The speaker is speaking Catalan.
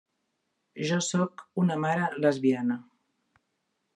Jo sóc una mare lesbiana.